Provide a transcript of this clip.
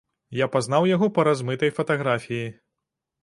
Я пазнаў яго па размытай фатаграфіі.